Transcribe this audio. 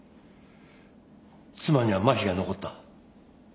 妻にはまひが残った。